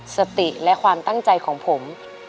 สติและความตั้งใจของผม